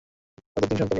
তাদের তিন সন্তান রয়েছে।